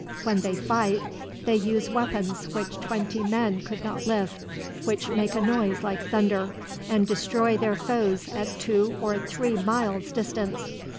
When they fight they use weapons which twenty men could not lift, which make a noise like thunder, and destroy their foes at two or three miles' distance.